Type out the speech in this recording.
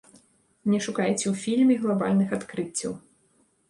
Не шукайце ў фільме глабальных адкрыццяў.